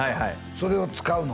それを使うの？